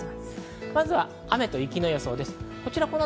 まずは雨と雪の予想です。